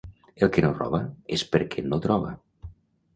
El que no roba és perquè no troba.